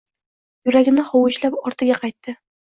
Yuragini hovuchlab ortiga qaytdi